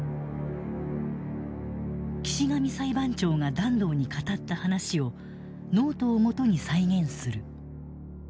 岸上裁判長が團藤に語った話をノートをもとに再現する。